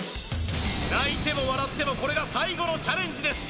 泣いても笑ってもこれが最後のチャレンジです